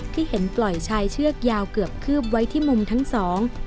ที่เห็นปล่อยชายเชือกยาวเกือบคืบไว้ที่มุมทั้งสอง